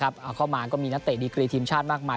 เอาเข้ามาก็มีนักเตะดีกรีทีมชาติมากมาย